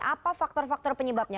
apa faktor faktor penyebabnya